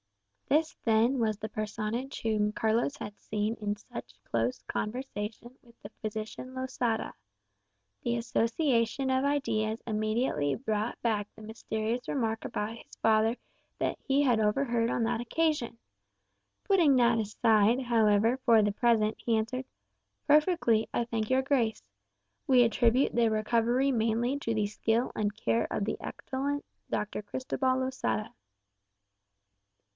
This then was the personage whom Carlos had seen in such close conversation with the physician Losada. The association of ideas immediately brought back the mysterious remark about his father he had overheard on that occasion. Putting that aside, however, for the present, he answered, "Perfectly, I thank your grace. We attribute the recovery mainly to the skill and care of the excellent Dr. Cristobal Losada."